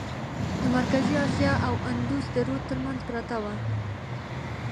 د مرکزي آسیا او اندوس د رود ترمنځ پرته وه.